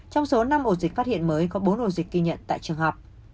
trong số năm ổ dịch phát hiện mới có bốn ổ dịch ghi nhận tại trường học